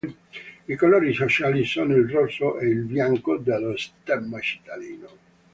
I colori sociali sono il rosso e il bianco dello stemma cittadino.